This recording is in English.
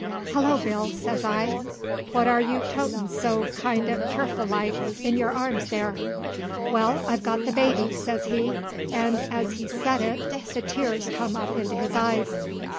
"Hello, Bill," says I; "what air you totin' so kind uv keerful like in your arms there?" "Why, I've got the baby," says he; 'nd as he said it the tears come up into his eyes.